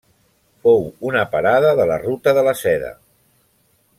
Fou una parada de la ruta de la Seda.